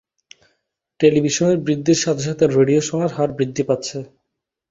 টেলিভিশনের বৃদ্ধির সাথে সাথে রেডিও শোনার হার বৃদ্ধি পাচ্ছে।